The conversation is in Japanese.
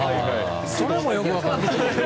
それもよく分からない。